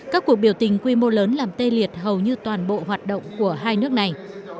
các cuộc biểu tình quy mô lớn làm tê liệt hầu như toàn bộ hoạt động của hai nước này